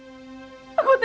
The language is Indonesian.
bumpakan telinga hatimu